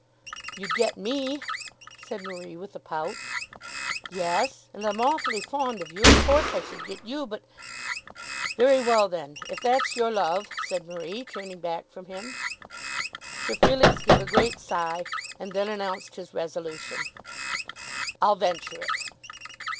"You'd get me," said Marie with a pout. "Yes; and I'm awfully fond of you. Of course I should get you! But " "Very well then; if that's your love," said Marie, turning back from him. Sir Felix gave a great sigh, and then announced his resolution. "I'll venture it."